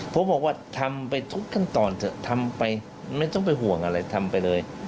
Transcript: ผมบอกว่าทำไปทุกขั้นตอนเถอะทำไปไม่ต้องไปห่วงอะไรทำไปเลย